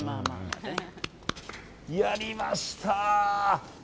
やりました。